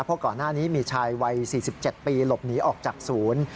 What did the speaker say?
เพราะก่อนหน้านี้มีชายวัย๔๗ปีหลบหนีออกจากศูนย์